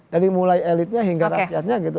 dari mulai elitnya hingga rakyatnya gitu